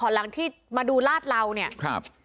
หลังที่มาดูลาดเหลาเนี่ยครับ